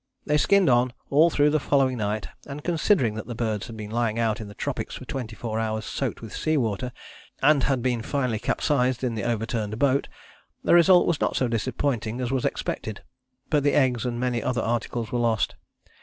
They skinned on all through the following night, and, considering that the birds had been lying out in the tropics for twenty four hours soaked with sea water and had been finally capsized in the overturned boat, the result was not so disappointing as was expected. But the eggs and many other articles were lost.